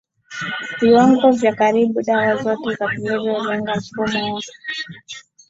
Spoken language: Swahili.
viwango vya Karibu dawa zote za kulevya hulenga mfumo wa